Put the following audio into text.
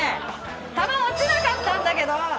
玉落ちなかったんだけど！